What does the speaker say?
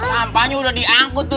sampahnya udah diangkut tuh